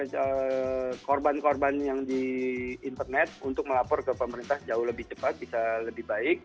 yang lebih cepat kepada korban korban yang di internet untuk melapor ke pemerintah jauh lebih cepat bisa lebih baik